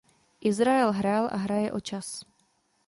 Izrael hrál a hraje o čas.